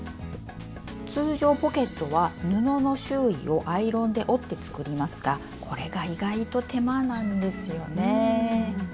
通常ポケットは布の周囲をアイロンで折って作りますがこれが意外と手間なんですよね。